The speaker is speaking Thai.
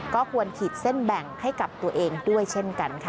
ก็ควรขีดเส้นแบ่งให้กับตัวเองด้วยเช่นกันค่ะ